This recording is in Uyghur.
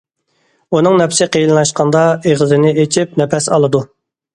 ئۇنىڭ نەپىسى قىيىنلاشقاندا ئېغىزىنى ئېچىپ نەپەس ئالىدۇ.